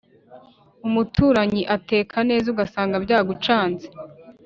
umutaranyi ateka neza ugasanga byagucanze